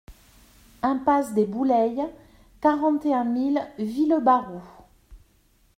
Impasse des Boulayes, quarante et un mille Villebarou